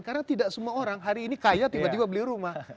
karena tidak semua orang hari ini kaya tiba tiba beli rumah